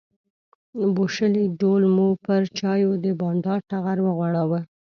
بوشلې ډول مو پر چایو د بانډار ټغر وغوړاوه.